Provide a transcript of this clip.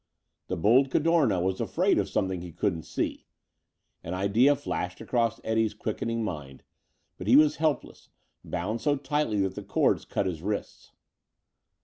The bold Cadorna was afraid of something he couldn't see! An idea flashed across Eddie's quickening mind. But he was helpless bound so tightly that the cords cut his wrists.